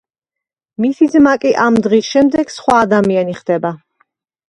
მისი ძმა კი ამ დღის შემდეგ სხვა ადამიანი ხდება.